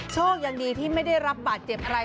โชคดีที่ไม่ได้รับบาดเจ็บอะไร